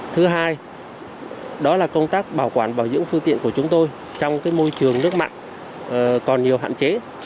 thứ hai đó là công tác bảo quản bảo dưỡng phương tiện của chúng tôi trong môi trường nước mặn còn nhiều hạn chế